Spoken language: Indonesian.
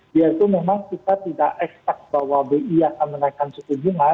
yaitu memang kita tidak expect bahwa bi akan menaikkan suku jumlah